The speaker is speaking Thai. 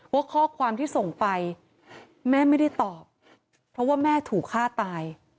ว่าข้อความที่ส่งไปแม่ไม่ได้ตอบเพราะว่าแม่ถูกฆ่าตาย